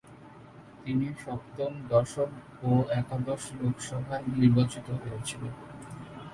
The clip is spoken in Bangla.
তিনি সপ্তম, দশম ও একাদশ লোকসভায় নির্বাচিত হয়েছিলেন।